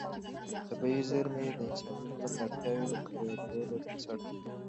طبیعي زېرمې د انساني ژوند د اړتیاوو پوره کولو بنسټ دي.